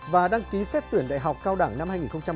và đăng ký xét tuyển đại học cao đẳng năm hai nghìn một mươi tám